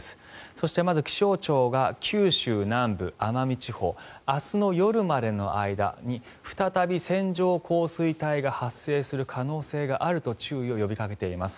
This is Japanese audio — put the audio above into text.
そして、まず気象庁が九州南部、奄美地方明日の夜までの間に再び線状降水帯が発生する可能性があると注意を呼びかけています。